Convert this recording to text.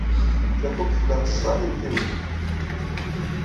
Tafukt tla tẓa n yimtiwgen.